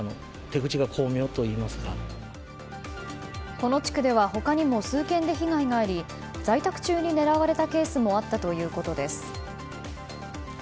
この地区では他にも数軒で被害があり在宅中に狙われたケースもあったということです。